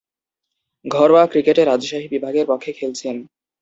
ঘরোয়া ক্রিকেটে রাজশাহী বিভাগের পক্ষে খেলছেন।